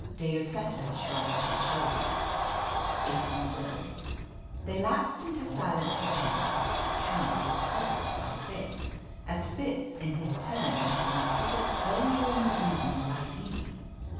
De Lloseta shrugged his shoulders. "If you will." They lapsed into silence again. The Count was puzzled by Fitz, as Fitz in his turn had been puzzled earlier in the evening by Eve.